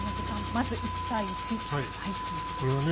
まず１対１ということですね。